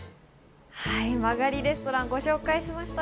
間借りレストランをご紹介しました。